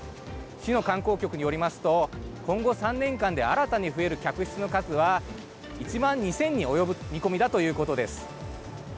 市の観光局によりますと今後３年間で新たに増える客室の数は１万２０００に及ぶ見込みだということです。